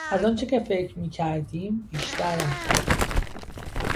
از آنچه که فکر میکردیم بیشتر وقت داریم.